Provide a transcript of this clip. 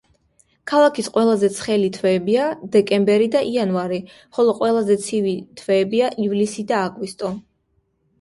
ქალაქის ყველაზე ცხელი თვეებია დეკემბერი და იანვარი, ხოლო ყველაზე ცივი თვეებია ივლისი და აგვისტო.